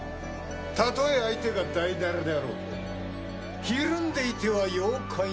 たとえ相手がだいだらであろうとひるんでいては妖怪の名折れ。